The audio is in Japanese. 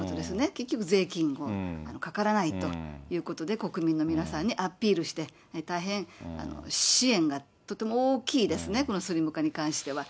結局、税金もかからないということで、国民の皆さんにアピールして、大変、支援がとても大きいですね、このスリム化に関しては。